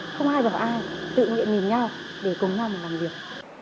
không ai bảo ai tự nhiệm nhìn nhau để cùng nhau làm việc